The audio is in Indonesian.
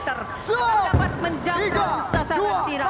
akan dapat menjaga sasaran dirat